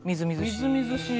みずみずしい。